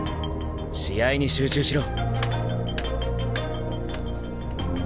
試合に集中しろ。